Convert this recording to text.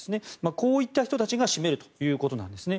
こういった人たちが占めるということなんですね。